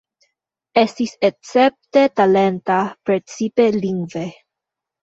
Estis escepte talenta, precipe lingve.